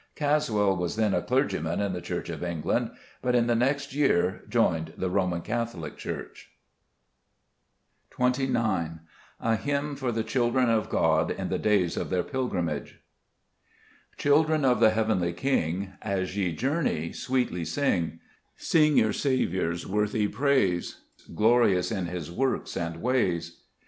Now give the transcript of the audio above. Caswall was then a clergyman in the Church of England, but in the next year joined the Roman Catholic Church. 51 Cbe $est Gburcb Ibvmns. 29 H Dgmn for tbe Gbil&ren of (Bob in tbe Ba^s of tbeir pilgrimage. p HILDREN of the heavenly King, ^^ As ye journey, sweetly sing ; Sing your Saviour's worthy praise, Glorious in His works and ways.